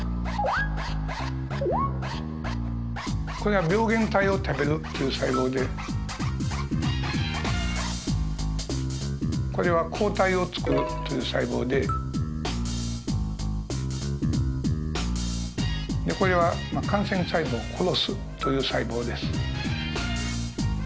これは病原体を食べるっていう細胞でこれは抗体をつくるっていう細胞でこれは感染細胞を殺すっていう細胞です。